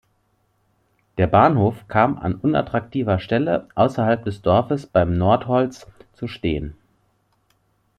Der Bahnhof kam an unattraktiver Stelle ausserhalb des Dorfes beim Nordholz zu stehen.